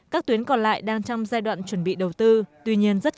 các tuyến còn lại đang trong giai đoạn chuẩn bị đầu tư